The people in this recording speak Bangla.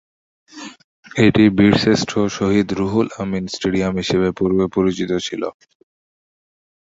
এটি বীরশ্রেষ্ঠ শহীদ রুহুল আমিন স্টেডিয়াম হিসেবে পূর্বে পরিচিত ছিল।